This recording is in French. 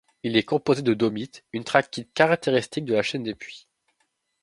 Il est composé de domite, une trachyte caractéristique de la chaîne des Puys.